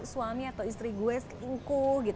suami atau istri gue singko